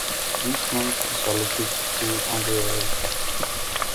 This rank is allocated to underages.